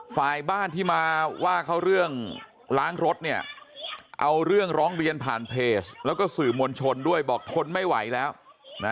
ฝ่ายบ้านที่มาว่าเขาเรื่องล้างรถเนี่ยเอาเรื่องร้องเรียนผ่านเพจแล้วก็สื่อมวลชนด้วยบอกทนไม่ไหวแล้วนะ